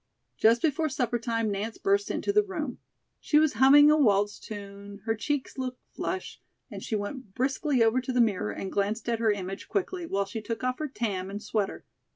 Just before supper time Nance burst into the room. She was humming a waltz tune; her cheeks looked flushed, and she went briskly over to the mirror and glanced at her image quickly, while she took off her tam and sweater.